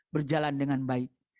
berjalan dengan baik